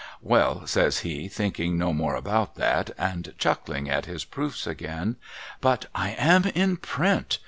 ' Well,' says he, thinking no more about that, and chuckling at his proofs again. ' But I am in print